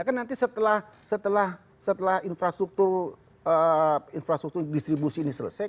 kan nanti setelah infrastruktur distribusi ini selesai